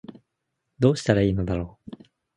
どうしたら良いのだろう